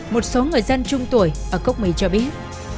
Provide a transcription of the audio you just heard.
một số người dân trung tuổi ở cốc mì cho biết